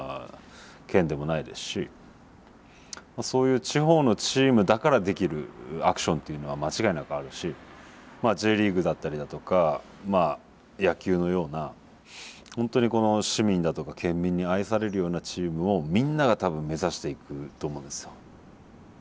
そういう地方のチームだからできるアクションというのは間違いなくあるしＪリーグだったりだとか野球のような本当に市民だとか県民に愛されるようなチームをみんなが多分目指していくと思うんですよ。